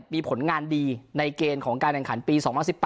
มีผลงานดีในเกณฑ์ของการแข่งขันปี๒๐๑๘